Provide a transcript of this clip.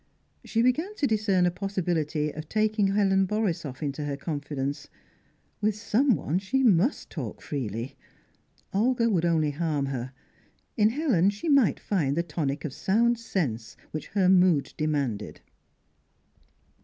She began to discern a possibility of taking Helen Borisoff into her confidence. With someone she must talk freely; Olga would only harm her; in Helen she might find the tonic of sound sense which her mood demanded.